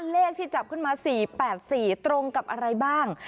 เลขที่จับขึ้นมา๔๘๔ตรงกับอะไรบ้าง